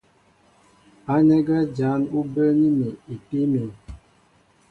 Ánɛ́ gwɛ́ jǎn ú bəə́ní mi ipíí mǐm.